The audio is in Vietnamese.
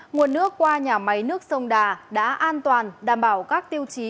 nguồn nước qua nhà máy nước sông đà đã an toàn đảm bảo các tiêu chí